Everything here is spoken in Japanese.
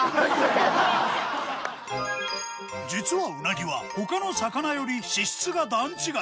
実はうなぎは他の魚より脂質が段違い。